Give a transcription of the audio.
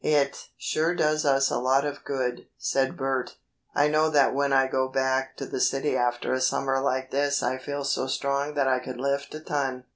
"It sure does us a lot of good," said Bert. "I know that when I go back to the city after a summer like this I feel so strong that I could lift a ton."